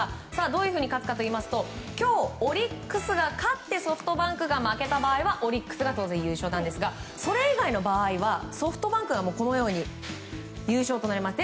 どういうふうに勝つかといいますと今日、オリックスが勝ってソフトバンクが負けた場合はオリックスが優勝なんですがそれ以外の場合はソフトバンクが優勝となります。